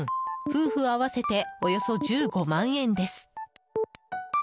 夫婦合わせておよそ１５万円です。